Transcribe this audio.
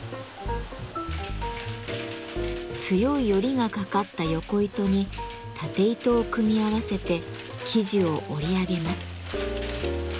強いヨリがかかったヨコ糸にタテ糸を組み合わせて生地を織り上げます。